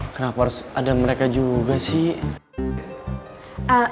kenapa harus ada mereka juga sih